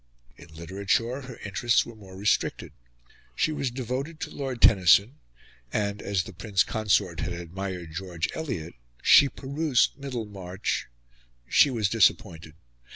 In literature her interests were more restricted. She was devoted to Lord Tennyson; and, as the Prince Consort had admired George Eliot, she perused "Middlemarch:" she was disappointed.